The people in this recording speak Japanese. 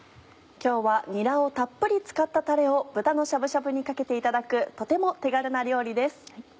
今日はにらをたっぷり使ったタレを豚のしゃぶしゃぶにかけていただくとても手軽な料理です。